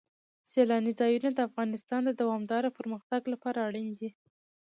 سیلانی ځایونه د افغانستان د دوامداره پرمختګ لپاره اړین دي.